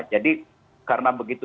jadi karena begitu